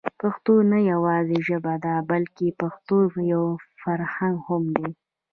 پښتو نه يوازې ژبه ده بلکې پښتو يو فرهنګ هم دی.